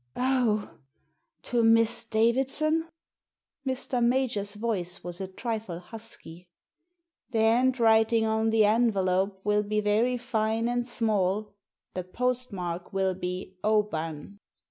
" Oh ! To Miss Davidson." Mr. Major's voice was a trifle husky, *'The handwriting on the envelope will be very fine and small. The postmark will be Oban."